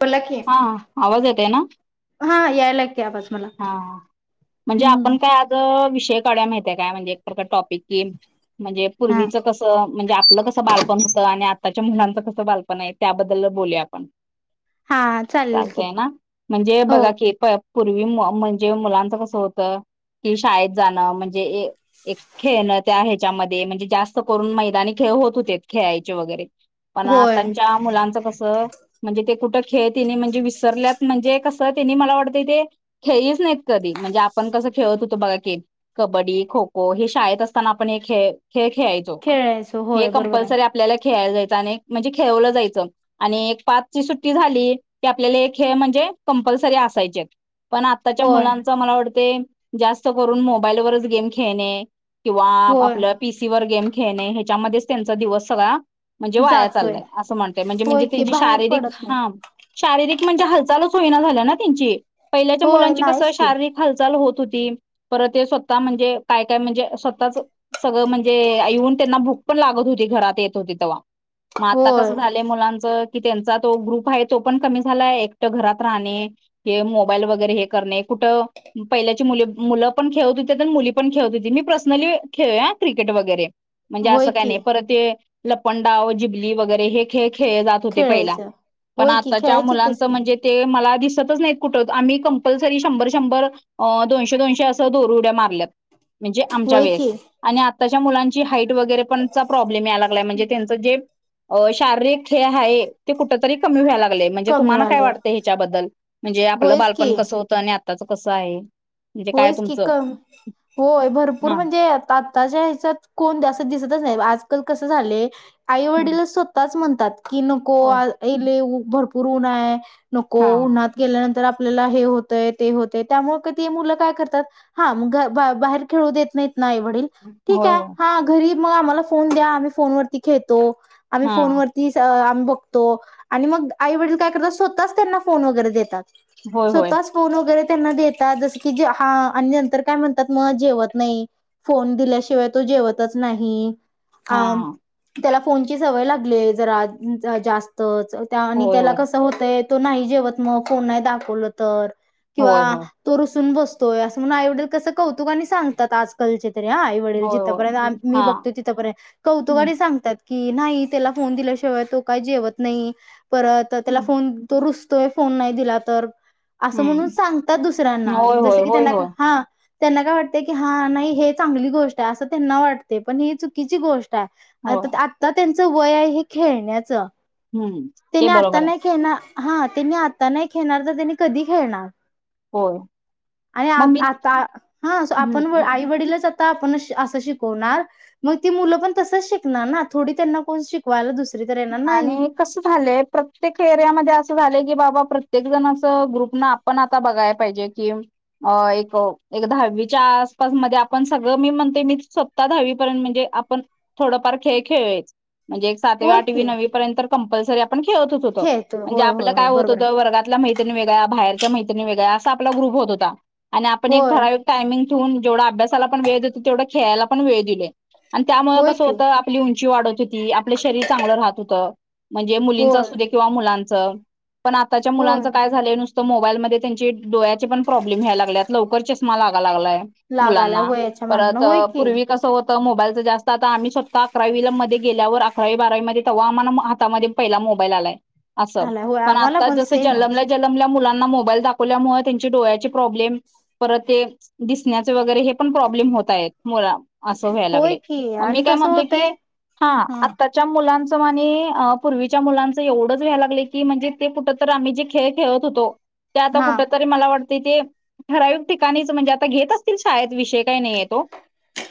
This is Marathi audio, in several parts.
बोला की हा आवाज येत आहे ना हा यायला की आवाज मला हा म्हणजे हम्म आपण काय आज वि क माहिय काय म्हणजे एक प्रकार टॉपिक की म्हणजे हा पूर्वीच कसं म्हणजे आपलं कसं बालपण होतं आणि त्याच्या मुलांचं कसं बालपण आहे त्याबद्दल बोलली आपण हा चालेल की चालतय ना म्हणजे हो बघा की प पूर्वी म्हणजे मुलांच कसं होत की शाळेत जाणं म्हणजे एक खेळणं त्या ह्याच्यामध्ये म्हणजे जास्त करून मैदानी खे होत होते खेळायचे वगैरे पण होय त्यांच्या मुलांचं कसं म्हणजे ते कुठं खेळ तिनी म्हणजे विसरल्यात म्हणजे कसं त्यांनी मला वाटतं ते खेळच नाहीत कधी म्हणजे आपण कसं खेळत होतो बघा क कबड्डी खो खो हे शाळेत असताना आपण हे खेळ खेळ खेळायचो खेळायचो हे होय बरोबर आहे कंपल्सरी आपल्याला खेळायला जायचं आणि म्हणजे खेळवलं जायचं आणि एक पाचची सुट्टी झाली की आपल्याला हे खेळ म्हणजे कंपल्सरी असायचे पण आत्ताच्या होय मुलांच मला वाटते जास्त करून मोबाईलवरच गेम खेळणे किंवा होय आपलं पीसी वर गेम खेळणे ह्याच्यामध्ये त्यांचा दिवस सगळा म्हणजे वाया जातोय चाललंय असं म्हणतय म्हणजे होय म्हणजे की त्यांची बाहेर शारीरिक पडत नाही ख शारीिक म्हणजे हालचालच होयना झाल्या ना त्यांची पहिल्याच्या होय मुलांची कस नाहीच की शारीरिक हालचाल होत हो परत ते स्वतः म्हणजे काय काय म्हणजे स्वतःच सगळं म्हणजे येऊन त्यांना भूक पण लागत होती घरात येत होती तवा मग आता होय कसं झालंय मुलांचं? की त्यांचा तो हुरूप आहे तो पण कमी झाला आहे, एकट घरात राहणे हे मोबाईल मोबाईल वगैरे हे करणे कुठं पहिल्याची मुली मुलं पण खेळत होते मुली पण खेळत होती मी पर्सनली खेळ हा क्रिकेट वगैरे म्हणजे होय असं काही की नाही परत ते लपंडाव जिबली वगैरे हे खेळ खेळले जात होते पहिला खेळायचं पण होय की आताच्या खेळायचीतच मुलांचं की म्हणजे ते मला दिसतच नाहीत कुठ? आम्ही कंपल्सरी शंभर शंभर आ दोनशे दोनशे असं दोर उड्या मारल्यात म्हणजे आमच्या होय की वेळेस आणि आ त्याच्या मुलांची हाईट वगैरे पण चा प्रो ्म या लागलाय म्हणजे त्याच ते अ शारीरिक खेळ आहे ते कुठ तरी कमी व्हायला लाग म्हणजे कमी तुम्हाला काय व्हालय वाटते ह्याच्याबद्दल म्हणजे या आपलं होयच बालपण की कसं होतं आणि आताच कसं आहे? म्हणजे काय होयच की तुमचं कम होय भरपूर हा म्हणजे आत्ताच्या ह्याच्यात कोण असं दिसतच नाही आज कस झाले? आई वडील स्वतःच म्हण की नको होय [unintelligible] भरपूर ऊन आहे. नको हा उन्हात गेल्यानंतर आप आपल्याला हे होतंय ते होत त्यामुळे ती मुलं काय करतात ह बाहेर खेळू देत नाही नाही वडील ठीक होय आहे होय हा घरी मग आम्हाला फोन द्या आम्ही फोनवररती खेळतो आम्ही हा फोन वरती आ बगतो आणि मग आई वडील काय करत स्वतः त्यांना फोन वगैरे देतात होय होय स्वतः च फोन वगैरे त्यांना देेतात जस की हा आणि नंतर काय म्हणतात मग जेवत नाही, फोन दिल्याशिवाय तो जेवतच नाही अ हा हा त्याला फोनची सवय लागली जरा जास्त त्या आणि होय त्याला होय कसं होतय तो नाही जेवत मग कोण नाही दाखवलं तर किंवा होय होय तर बसतोय अस म्हणून आईवडील कस कौतुक आणि सांगतात आजकालचे त हा आईवडील होय होय जिथपर्यंत मी हा बघतो तिथपर्यंत कौतुका हम्म आणि सांगतात कि नाही त्याला फोन दिल्याशिवाय तो काही जेवत नाही परत त्याला फोन दोरु तो फोन नाही दिला तर असं म्हणून सांगतात दुसऱ्यांना होय जस होय की होय त्यांना होय हा त्यांना काय वाटते की हा नाही हे चांगली गोष्ट आहे असं त्यांना वाटते पण ही चुकीची गोष्ट आ होय त्यां वय आहे हे खेळण्याच हम्म ते तिने आता बरोबर आहे नाही के ना हा त्यांनी आता नाही खेणार तर त्यांनी कधी खेळणार हो आणि आ आता हा आपण हं. आई वडीलच शिकवणार मग मु पण तच शिकणार थो त्यां शवायला [inaudible] आणि कस झालंय प्रत्येक एरियामध्ये असं झालं की बाबा प्रत्येक जण अस ग्रुप न आपण आता बघायला पाहिजे कि एक एक दहावीचा मध्ये आपण सगळं मी म्हणते मी स्वतः दहावीपर्यंत म्हणजे आपण थोडफार खेळ खेळूच म्हणजे एक होय सातवाठ की वी [inaudible] पाहू ण खेळतच होतो खेळतो म्हणजे होय आपलं होय होय काय होत बरोबर आहे होतं वर्गातला महिती वेग्या बाहेर मैत्री वेगळ्या असा आपला ग्रुप होत होता आणि आपण एक होय ठराविक टाइमिंग हम्म जेवढा अभ्यासाला पण वेळ होेतो तेवढं खेळायला पण वेळ दिले त्यामुळे होय कसं की होतं आपलं वाढत होती आपल्या शरीर चांगलं राहत होतं म्हणजे मुलींच होय असू दे किंवा मुलां जा पण आताच्या होय मुलांचं काय झालं नुस तो मोबाईलमध्ये त्यांची डोळ्याचे पण प्रोब्लेम यायला लागलेत लवकरचे मला लागलाय लागालाय मुलांना वयाच्या मानानं परत होय की पूर्वी कसं मोबाईलचा जास्त आता आम्ही स्वतः अकरावी मध्ये गेल्यावर अकरावी बारावीमध्ये तेव्हा आम्हाला हाता पहिला मोबाईल आला आहे असं आला होय पण आम्हाला आता जस सेमच जन्मल्या जन्मल्या मग मोबाईल दाखवल्यामुळे त्याचे डोळ्याचं प्रोब्लेम प्रोब्लेम होत आहेत मुळात अस व्हायला होय लागलंय की मग मी आणि काय कसं म्हणते की होतय हा मुलांच आणि पूर्वीच्या मुलांच एवढंच व्याय लागले की म्हणजे ते कुठ तर आम्ही जे खेळ खेळत होतो ते आता हा कुठ तरी मला वाटत तेथे ठराविक ठिकाणीच म्हणजे आता घेत असतील सोड विषय काय नाही तो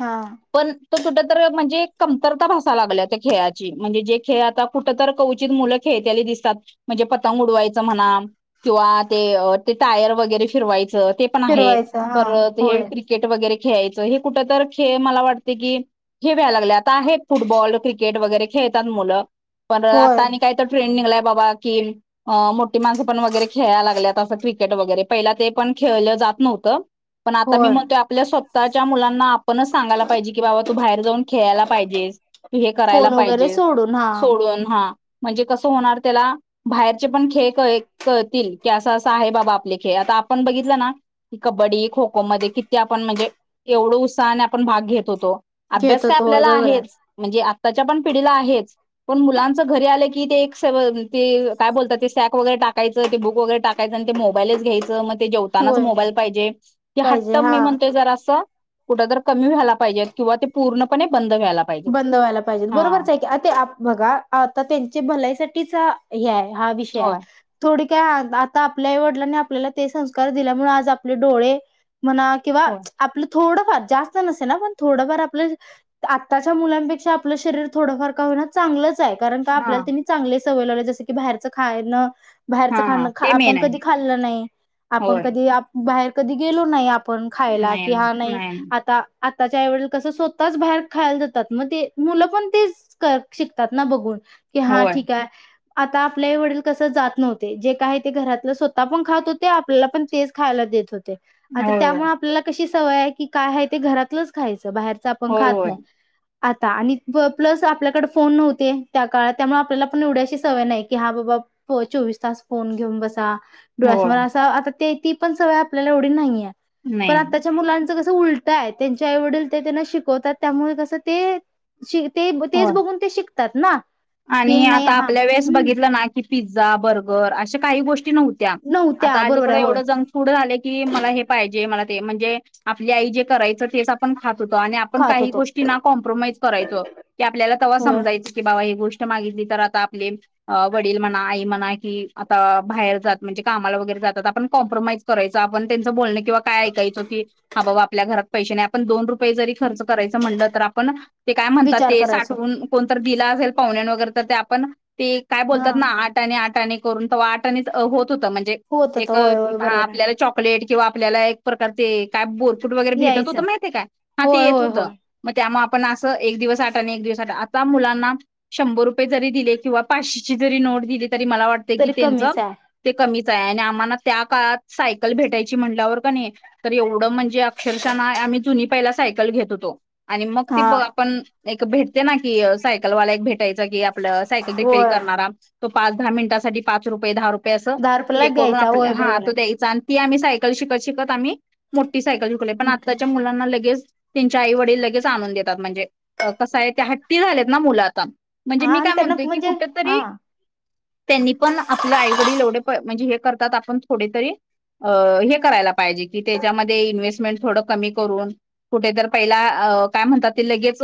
हा पण तो कु म्हणजे कमतरता भसा लागल्या खेळाची म्हणजे जे खेळ आता कुठ तर कवचित मुलं खेळतेली दिसतात म्हणजे पतंग उडवायचं म्हणा किंवा ते ते टायर वगैरे फिरवायचं पण आहे फिरवायचं हा पर हे होय क्रिकेट वगैरे खेळायच हे कुठ तर खेळ मला वाट की हेे व्यायला लागले आता आहे फुटबॉल क क्रिकेट वगैरे खेळतात मुलं पण होय आता आणि काय तर ट्रेंड निघला बाबा की मोठी माणसं पण वगैरे खेळायला लागल्यात असं क्रिकेट वगैरे पहिला ते पण खेळलं जात नव्हतं पण आता मी होय म्हणतोय आपल्या स्व् स्वतःच्या मुलांना आपणच सांगायला पाहिजे की बाबा तू बाहेर जाऊन खेळायला पाहिजेस करायला फोन वगैरे पाहिजे सोडून हा सोडून हा म्हणजे कसं होणार त्याला बाहेरचे पण खेळ कळतील की असं असं आहे बाबा आपले खेळ आता आपण बघितलं ना की कबड्डी खो खो मध्ये किती आपण म्हणजे एवढं उत्साहाने आपण भाग घेत होतो अभ्यास घेत काय होतो होय आपल्याला बरोबर आहे आहेच म्हणजे आप. पण पिढीला आहेच, पण मुलांच घरी आलं की ते एक काय बोलतात सॅक वैगेरे टाकायच, ते बुक वैगेरे टाकायचं आणि मोबाईलच घ्यायचं. ते जेवतानाच होय मोबाईल पाहिजे, ते पाहिजे हट्ट हा मी म्हणतोय जरा अस. कुठ तर कमी व्हायला पाहिजेत, किंवा ते पूर्णपणे बंद. व्हायला पाहिजे. पाहिजे बरोबरच आहे की, बघा आता त्यांच्या भलाईसाठीच. हे आय. हा विषय आहे होय थोडी. आता आपल्या वडिलांनी आपल्याला ते संस्कार दिल्यामुळे आज आपले डोळे. म्हणा किंवा होय. आपलं थोडं. जास्त नसे ना पण थोडफार आपलं. आताच्या मुलांपेक्षा आपलं शरीर थोडंफार का होई ना चांगलंच. चांगलच कारण का हा आपल्याला तेनी चांगले. सवय जस की बाहेरचं खान. हा बाहेरचं हा खाण ते मेन आपण आहे कधी खाल्लं नाही, आपण होय कधी बाहेर. कधी गेलो नाही आप. आपण खायला की हा नाही आ त्याच्या ऐवजी कसं स्वतःच बाहेर. खायला जातात मग ते मुलं पण तेच शिकतात ना बघून. की हां होय ठीक हाय. आता आपल्याही वडील कस जात नव्हते, जे काही ते घरातलं स्वतः पण खात होते, आपल्याला पण तेच खायला देत होते. होय त्यामुळे आपल्या कशी. सवय आहे की काय आहे ते घरातलंच खायच. बाहेरच आपण होय होय खात नाही. होय आता आणि प्लस आपल्याकडे फोन नव्हते त्या काळात त्यामुळे आपल्याला पण एवढ्याशी सवय नाही की हा बाबा चोवीस तास फोन घेऊन बसा. होय असं आता ते. ती पण सवय आपल्याला एवढी नाहीये. पण नाही आत्ताच्या मुलांच. कस उलट हाय त्यांच आई वडील ते त्यांना शिकवतात. त्यामुळे कसं ते शिकतात. ते होय. तेच बघून ते शिकतात. शिकतात ना. की आणि नाही आता हा आपल्या वेळेस हम्म बघितलं ना की पिझ्झा. पिझ्झा बर्गर अशे काही गोष्टी. ता नव्हत्या अलीक बरोबर आहे ए होय. जड झा क मे म्हणजे आपली आई जे करायच तेच आपण ख आपण खात काही होतो गोष्टी कॉम्प्रोमाइज करायो की आप ते्हा होय समजायच की बा गो आप वड म्ह आ म्हणा आ बाातणे का आप क कराय आपण काय ऐ क आपल्याात पै [inaudible] खर् कराय म्ह आपण काय विचार करायचो म्हणतातठण दिे [inaudible] व आपण ते काय हा बोलतात ना आठ आणि आठ आणि ून वाटणीचत होत म्हणजे होत होत एक होय होय बरोबर आहे. आपल्याला चॉकलेट किंवा आपल्याला एक प्रकार ते काय बोल. टूट वैगरे भेटत होत यायचं माहितेय काय हा ते होय येत होय होत होय मग त्या पण अस एक दिवस आठ आणि एक दिवस आठ त्या मुलांना शंभर रुपये जरी दिले किंवा पाचशेची जरी नोट दिली तरी मला वाटते की तरी त्यांच कमीच आहे ते कमी च आहे आणि आम्हाला त्या काळात सायकल भेटायची म्हटल्यावर का नाही तर एवढं म्हणजे अक्षरशः ना आम्ही जुनी पहिला सायकल घेत होतो आणि मग ती हा ब आपण एक भेटते ना क सायकल वाले की आपलं सायकल रिपेर होय. करणारा तो पाच दहा मिनिटांसाठी पाच रुपये दहा रुपये दहा रुपयाला रुपये करून द्यायचा आपल्या होय हा बरोबर तो द्यायचा ती आम्ही सायकल शिकत शिकत आम्ही मो ती सायकल झुकली पण आहे आत्ताच्या मुलांना लगेच त्यांच्या आई वडील लगेच आणून देतात म्हणजे कसं आहे त्या हट्टी झालेत ना मुलं आता म्हणजे हा मी आणि काय त्यांना म्हणतोय की म्हणजे हा कुठेतरी त्यांनी पण आपले आईवडील एवढे प म्हणजे हे करतात आपण थोडी तरी अ हे करायला पाहिजे कि त्याच्यामध्ये इन्व्हेस्टमेंट थोडं कमी करून कुठेतर पहिला काय म्हणतात ते लगेच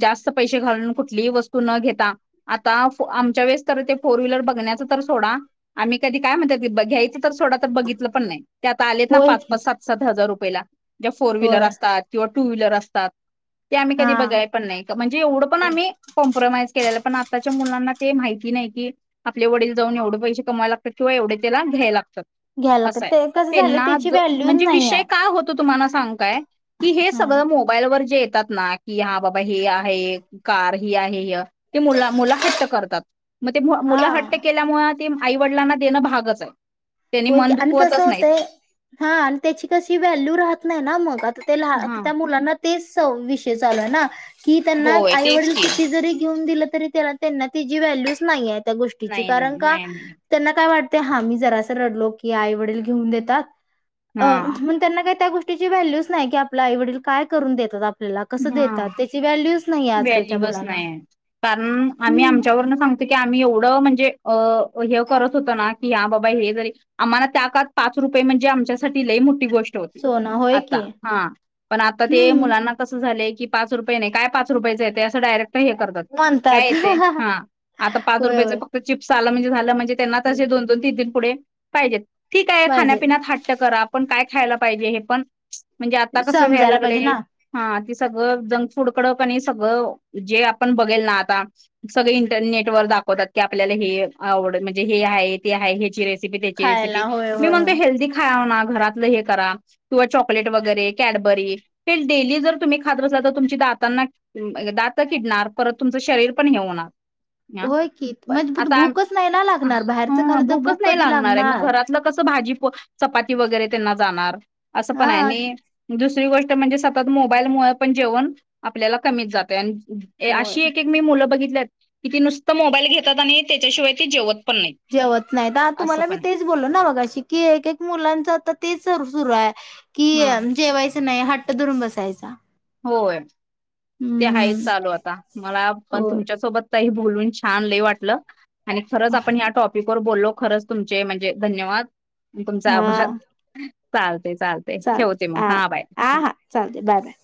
जास्त पैसे घालून कुठलीही वस्तू तु न घेता आता आमच्या वेळेस तर ते फोर व्हीलर बघण्याच तर सोडा आम्ही कधी काय म्हणतात घ्यायच तर सोडा तर बघितलं पण नाही ते आता आलेत ना होय पाच की पाच सात सात हजार रुपये पहिला ज्या फोर व्हीलर होय असतात किंवा टू व्हीलर असतात ते आम्ही हा कधी बघाय पण नाही का म्हणजे एवढं पण आम्ही केलेलं, पण आताच्या मुलांना ते माहिती नाही की आपले वडील जाऊन एवढे पैसे कमवायला लागतात किंवा एवढे त्याला घ्यायला लागतत घ्यायला लागतं आसए ते कसं झालं तेना त्याची ज व्हॅल्यू म्हणजे नाही विषय आहे काय होतो तुम्हाला सांगुकाय की हे हा सगळ मोबाईलवर हे येतात ना की हा बाबा हे आहे कार ती आहे य ते मुला मूल हट्ट करतात मग ते मुलं मुलं हा हट्ट केल्यामुळ तेम आईवडलांना देणं भागच आहे त्यांनी होयकी मन आणि कसं दुखवतच नाहीत होतय हां आणि त्याची कशी व्हॅल्यू राहत नाहीना मंग आ ते लहा हा त्या मुलांना ते सव विषय चालुयेना कि त्यांना होय तेच आईवडील की कितीजरी घेऊन दिलं तरी त्या त्यांना तिची व्हॅल्यूच नाहीये त्या गोष्टीची नाही कारण नाही का नाही नाही त्यांना काय वाट ते हामी जरास रडलोकी आई वडील घेऊन देतात अ हा मंग त्यांना काय त्या गोष टीची व्हॅल्यूच नाही की आपल्या आवडील का करून देतात आ हम्म आजकालच्या व्हॅल्यूअच मुलांना. नाहीये कारण आम्ही हं, आमच्यावरन सांगतो की आम्ही एवढं म्हणजे अ अ ह्यो करत होत ना की हा बाबा हे जरी आम्हाला त्या काळात पाच रुपये म्हणजे आमच्यासाठी लई मो ठी गोष्ट होती सोनं होय आता की. हा पण आता ते हं, मुलांना झालेकी पाच रुपय नाही काय पाच रुपयचयेते डिरेक ट हे करतात म्हणतात. काय ते हां आता पाच होय, रुपयाच होय. फक्त चिप्स ला म्हणजे झाला म्हणजे त्यांना तशे दोन दोन तीन तीन पुढे पाहिजेत ठीक आहे पाहिजे खाण्यापिण्यात हाट्ट करा आपण काय खायला पाहिजे हे पण म्हणजे आता कसं व्हयला समजायला पाहिजे लागलंय ना, हां ते सगळं जंगफूड कड का नाही सगळं जे आपण बघेल ना आता सगळे इंटरनेट वर दाखवतात की आपल्याला हे आवडलं म्हणजे हे आहे ते आहे ह्याची रेस [unintelligible] खायला रेसिपी होय, मी होय, म्हणतो होय. हेल्दी खावणा घरातल हे करा किंवा चॉकलेट वगैरे कॅडबरी ते डेली जर तुम्ही खाात बसला तर तुमची दातांना हम्म दात किडणार परत तुमचं शरीर पण हे होणार ह होय की पण [unintelligible] आता भूकच नाही ना लागणार बाहेरचं हा खालं तर भूकच भूक नाही कधी आहे मग लागणार घरातलं कसं भाजी पो चपाती वगैरे त्यांना जाणार असं पण आहे हां, आणि दुस री गोष्ट म्हणजे स मोबाईलमुळे पण जेवण आपल्याला कमीच जाते आणि होय. अशी एक एक मी मुलं बघित क ती नुसत मोबाईल घेतात आणि त्याच्याशिवाय ती जेवत पण नाही जेवत नाही असं तुम्हाला मी पण आहे तेच बोललो ना बघाशी की एक एक मुलांच आ तेच रु सुर आहे की हा जेवायच नाही ह दुरून बसायचा होय ते हा हं. चालू आता मला पण हो तुमच्यासोबत बोलून छान ल वाटलं आणि खरंच आपण या टॉपिक वर बोललो खरंच तुमचे म्हणजे धन्यवाद तुमचा आभार चाल चालत हा हा हा चालते बाय बाय